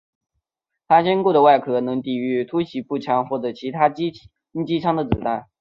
他坚固的外壳能抵御突袭步枪或者其他轻机枪的子弹。